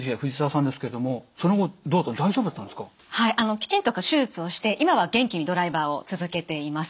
きちんと手術をして今は元気にドライバーを続けています。